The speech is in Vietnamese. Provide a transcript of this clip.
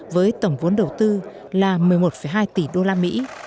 với tổng vốn đầu tư là một mươi một hai tỷ đô la mỹ